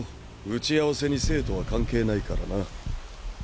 打ち合わせに生徒は関係ないからな。